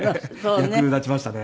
役立ちましたね。